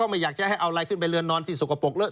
ไม่อยากจะให้เอาอะไรขึ้นไปเรือนนอนที่สกปรกเลอ